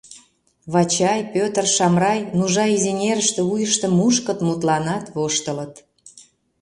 Вачай, Пӧтыр, Шамрай Нужа изеҥерыште вуйыштым мушкыт, мутланат, воштылыт.